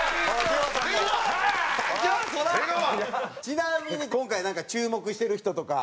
ちなみに今回注目してる人とか。